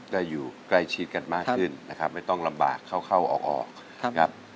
ได้อยู่ใกล้ชิดกันมากขึ้นนะครับไม่ต้องลำบากเข้าเข้าออกครับ